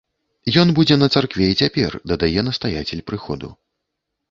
Ён будзе на царкве і цяпер, дадае настаяцель прыходу.